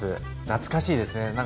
懐かしいですね。